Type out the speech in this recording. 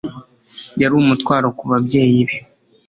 Yari umutwaro ku babyeyi be.